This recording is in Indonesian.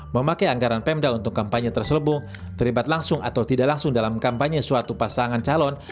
memakai anggaran pemda untuk kampanye terselebung terlibat langsung atau tidak langsung dalam kampanye suatu pasangan calon